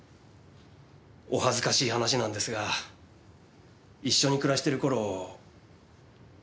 お恥ずかしい話なんですが一緒に暮らしてる頃。